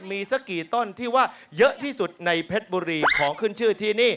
มีสักกี่ต้นที่ว่าเยอะที่สุดในเพชรบุรีของขึ้นชื่อที่นี่